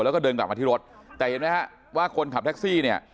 แล้วก็เดินกลับมาที่รถแต่เห็นไหมฮะว่าคนขับแท็กซี่เนี่ย